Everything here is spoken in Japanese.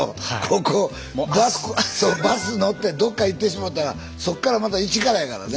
そうバス乗ってどっか行ってしもたらそっからまた一からやからね。